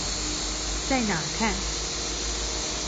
在哪看？